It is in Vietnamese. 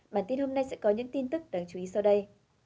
bản tin hôm nay sẽ có những tin tức đáng chú ý sau đây